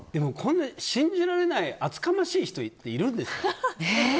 信じられない厚かましい人っているんですね。